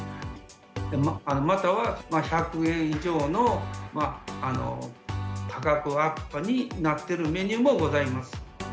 または１００円以上の価格アップになってるメニューもございます。